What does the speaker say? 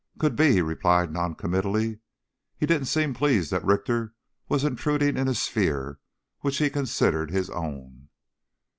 "Could be," he replied noncommittally. He didn't seem pleased that Richter was intruding in a sphere which he considered his own.